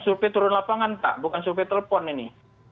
survei turun lapangan pak bukan survei telepon ini